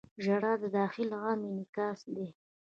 • ژړا د داخلي غم انعکاس دی.